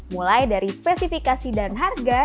mulai dari spesifikasi dan harga